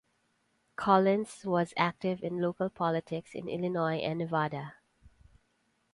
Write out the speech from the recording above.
Collins was active in local politics in Illinois and Nevada.